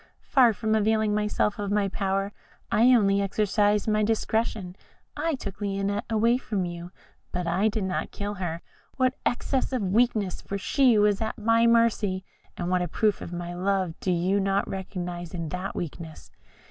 Far from availing myself of my power, I only exercised my discretion. I took Lionette away from you, but I did not kill her what excess of weakness! for she was at my mercy and what a proof of my love do you not recognise in that weakness?